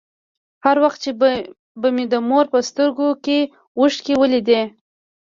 هر وخت چې به مې د مور په سترگو کښې اوښکې ولېدې.